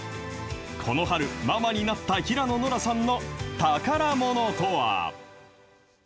この春、ママになった平野ノラさんの宝ものとは。